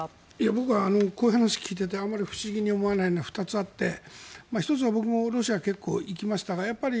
僕はこういう話を聞いていてあまり不思議に思わないのは２つあって、１つはロシア、結構行きましたがやっぱり